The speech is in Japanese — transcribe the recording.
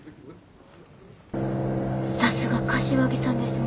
さすが柏木さんですね。